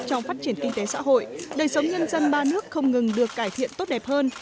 trong phát triển kinh tế xã hội đời sống nhân dân ba nước không ngừng được cải thiện tốt đẹp hơn